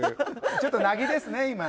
ちょっと凪ですね今。